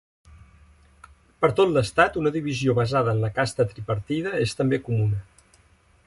Per tot l'estat, una divisió basada en la casta tripartida és també comuna.